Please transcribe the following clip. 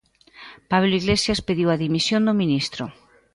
Pablo Iglesias pediu a dimisión do ministro.